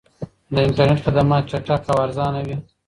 د انټرنیټ خدمات چټک او ارزانه وي.